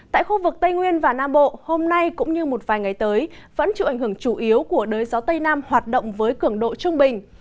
tại khu vực tây nguyên và nam bộ hôm nay cũng như một vài ngày tới vẫn chịu ảnh hưởng chủ yếu của đới gió tây nam hoạt động với cường độ trung bình